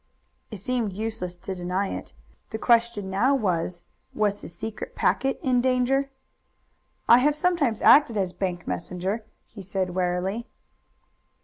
It seemed useless to deny it. The question now was, was his secret packet in danger? "I have sometimes acted as bank messenger," he said warily.